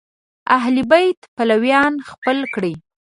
اهل بیت پلویان خپل کړي